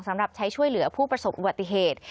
สำหรับใช้ช่วยเหลือผู้ประสบอุบัติเหตุ